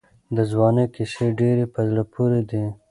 د ځوانۍ کیسې ډېرې په زړه پورې دي.